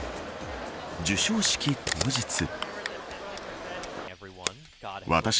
授賞式当日。